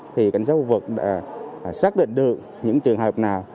thì cảnh sát khu vực đã xác định được những trường hợp nào